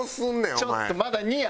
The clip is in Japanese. ちょっとまだ２や。